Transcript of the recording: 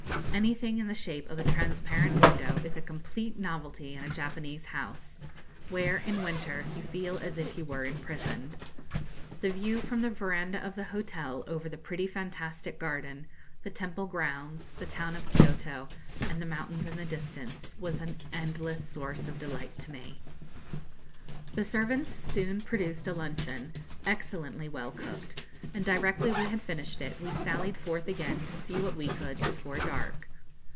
Anything in the shape of a transparent window is a complete novelty in a Japanese house, where, in winter, you feel as if you were imprisoned. The view from the verandah of the hotel over the pretty fantastic garden, the temple grounds, the town of Kioto, and the mountains in the distance was an endless source of delight to me. The servants soon produced a luncheon, excellently well cooked; and' directly we had finished it we sallied forth again to see what we could before dark.